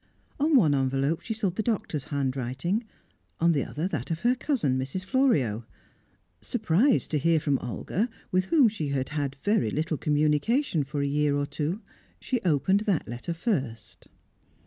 On one envelope she saw the Doctor's handwriting; on the other that of her cousin, Mrs. Florio. Surprised to hear from Olga, with whom she had had very little communication for a year or two, she opened that letter first.